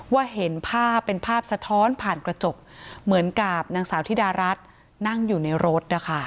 เห็นภาพเป็นภาพสะท้อนผ่านกระจกเหมือนกับนางสาวธิดารัฐนั่งอยู่ในรถนะคะ